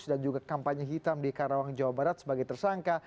dan juga kampanye hitam di karawang jawa barat sebagai tersangka